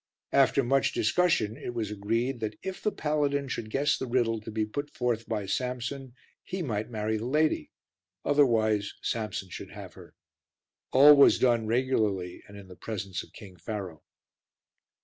After much discussion it was agreed that if the paladin should guess the riddle to be put forth by Samson he might marry the lady, otherwise Samson should have her. All was done regularly and in the presence of King Pharaoh.